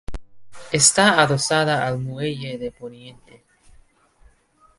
Está adosada al muelle de Poniente.